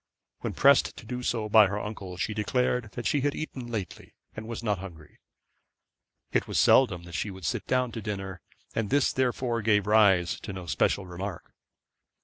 When pressed to do so by her uncle, she declared that she had eaten lately and was not hungry. It was seldom that she would sit down to dinner, and this therefore gave rise to no special remark.